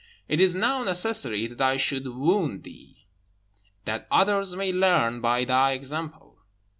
It is now necessary that I should wound thee, that others may learn by thy example."